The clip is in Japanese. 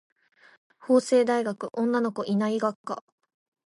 法政大学女の子いない学科